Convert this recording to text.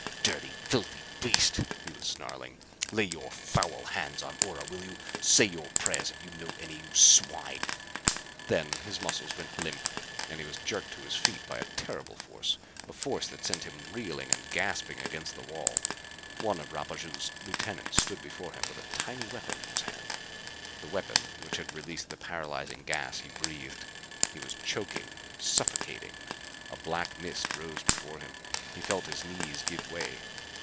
"Dirty, filthy beast!" he was snarling. "Lay your foul hands on Ora, will you? Say your prayers, if you know any, you swine!" Then his muscles went limp and he was jerked to his feet by a terrible force, a force that sent him reeling and gasping against the wall. One of Rapaju's lieutenants stood before him with a tiny weapon in his hand, the weapon which had released the paralyzing gas he breathed. He was choking; suffocating. A black mist rose before him. He felt his knees give way.